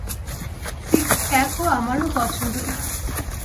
Six প্যাকও আমারও পছন্দ না।